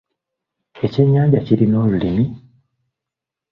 Ekyennyanja kirina olulimi?